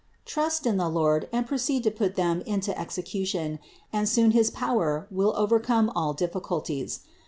Trust in the Lord and proceed to put them into execution, and soon his power will overcome all diffi culties.